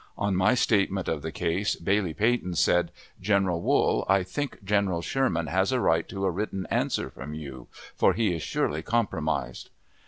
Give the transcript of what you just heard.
On my statement of the case, Bailey Peyton said, "General Wool, I think General Sherman has a right to a written answer from you, for he is surely compromised."